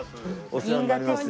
お世話になります。